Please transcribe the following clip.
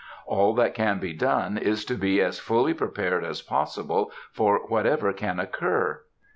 All that can be done is to be as fully prepared as possible for whatever can occur....